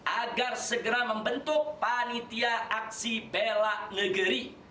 agar segera membentuk panitia aksi bela negeri